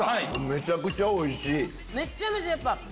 めちゃくちゃおいしい。